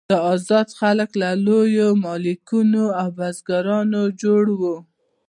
دا آزاد خلک له لویو مالکین او بزګرانو جوړ وو.